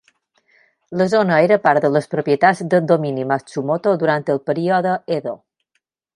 La zona era part de les propietats del domini Matsumoto durant el període Edo.